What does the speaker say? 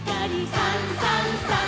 「さんさんさん」